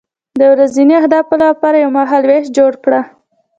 د ورځني اهدافو لپاره یو مهالویش جوړ کړه.